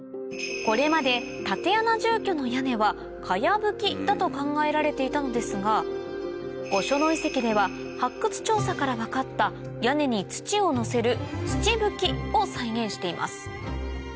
これまで竪穴住居の屋根はだと考えられていたのですが御所野遺跡では発掘調査から分かった屋根に土をのせるを再現しています